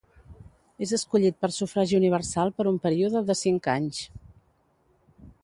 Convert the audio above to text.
És escollit per sufragi universal per un període de cinc anys.